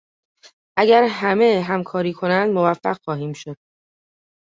اگر همه همکاری کنند موفق خواهیم شد.